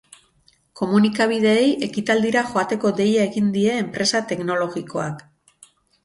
Komunikabideei ekitaldira joateko deia egin die enpresa teknologikoak.